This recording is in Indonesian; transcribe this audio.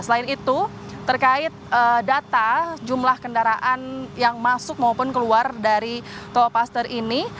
selain itu terkait data jumlah kendaraan yang masuk maupun keluar dari tol paster ini